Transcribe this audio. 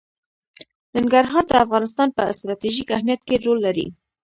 ننګرهار د افغانستان په ستراتیژیک اهمیت کې رول لري.